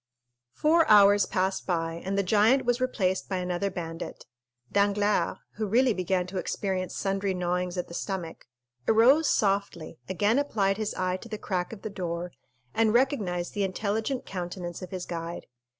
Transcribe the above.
Four hours passed by and the giant was replaced by another bandit. Danglars, who really began to experience sundry gnawings at the stomach, arose softly, again applied his eye to the crack of the door, and recognized the intelligent countenance of his guide.